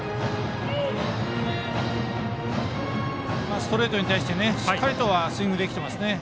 ストレートに対してしっかりとスイングできていますね。